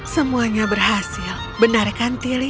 semuanya berhasil benar kan tilly